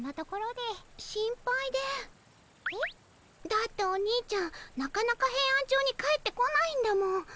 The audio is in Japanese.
だっておにいちゃんなかなかヘイアンチョウに帰ってこないんだもん。